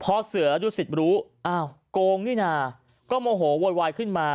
พอเสือดุสิตรู้อ้าวโกงนี่นาก็โมโหโวยวายขึ้นมา